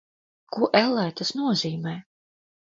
Ko, ellē, tas nozīmē?